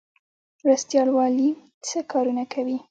مرستیال والي څه کارونه کوي؟